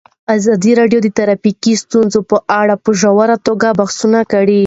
ازادي راډیو د ټرافیکي ستونزې په اړه په ژوره توګه بحثونه کړي.